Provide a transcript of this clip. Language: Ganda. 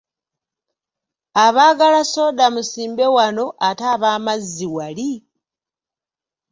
Abaagala soda musimbe wano ate ab’amazzi wali.